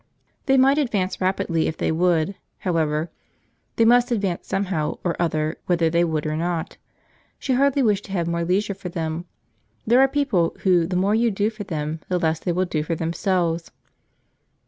They might advance rapidly if they would, however; they must advance somehow or other whether they would or no. She hardly wished to have more leisure for them. There are people, who the more you do for them, the less they will do for themselves.